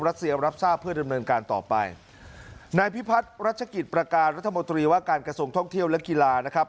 รับทราบเพื่อดำเนินการต่อไปนายพิพัฒน์รัชกิจประการรัฐมนตรีว่าการกระทรวงท่องเที่ยวและกีฬานะครับ